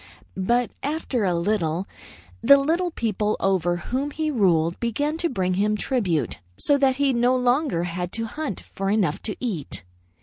But after a little, the little people over whom he ruled began to bring him tribute, so that he no longer had to hunt for enough to eat.